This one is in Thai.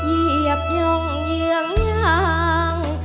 เหยียบย่องเยืองยาง